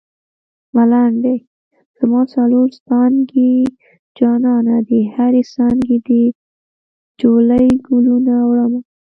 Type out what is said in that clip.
ملنډۍ: زما څلور څانګې جانانه د هرې څانګې دې جولۍ ګلونه وړمه